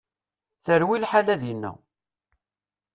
Terwi lḥala dinna.